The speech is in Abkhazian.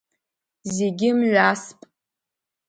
Зегьы мҩасп!